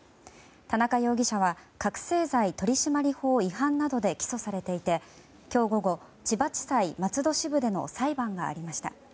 田中容疑者は覚醒剤取締法違反などで起訴されていて今日午後、千葉地裁松戸支部での裁判がありました。